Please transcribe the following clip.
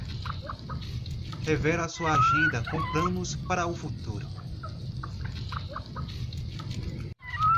Revela sua agenda com planos para o futuro